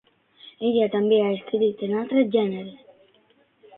Ella també ha escrit en altres gèneres.